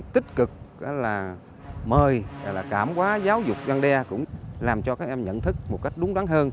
tích cực mời cảm hóa giáo dục gian đe làm cho các em nhận thức một cách đúng đắn hơn